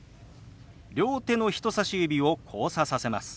両手の人さし指を交差させます。